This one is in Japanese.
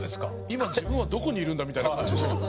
今自分はどこにいるんだみたいな感じでしたけど。